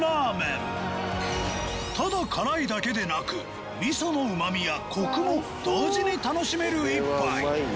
ただ辛いだけでなく味噌のうまみやコクも同時に楽しめる一杯